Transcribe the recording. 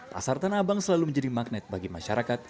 pasar tanah abang selalu menjadi magnet bagi masyarakat